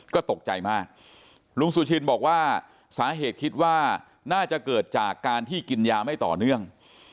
ก็ตกใจมากลุงสุชินบอกว่าสาเหตุคิดว่าน่าจะเกิดจากการที่กินยาไม่ต่อเนื่อง